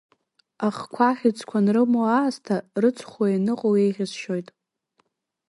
Ахқәа ахьӡқәа анрымоу аасҭа, рыцхәла ианыҟоу еиӷьасшьоит.